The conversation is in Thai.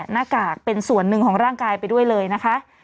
หน้ากากเป็นส่วนหนึ่งของร่างกายไปด้วยเลยนะคะ